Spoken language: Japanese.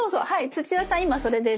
土屋さん今それです。